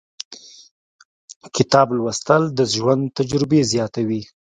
• کتاب لوستل، د ژوند تجربې زیاتوي.